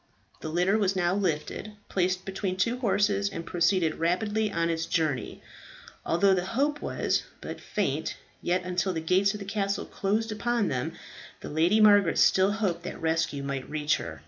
The litter was now lifted, placed between two horses, and proceeded rapidly on its journey. Although the hope was but faint, yet until the gates of the castle closed upon them the Lady Margaret still hoped that rescue might reach her.